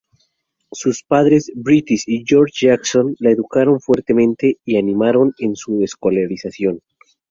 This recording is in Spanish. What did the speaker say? Sus padres, Beatrice y George Jackson, la educaron fuertemente y animaron en su escolarización.